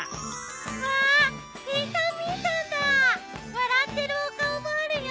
笑ってるお顔もあるよ！